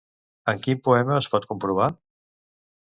En quin poema es pot comprovar?